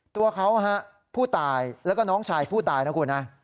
ตัวเขาผู้ตายแล้วก็น้องชายผู้ตายนะคุณนะ